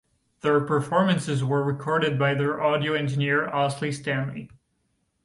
Their performances were recorded by their audio engineer Owsley Stanley.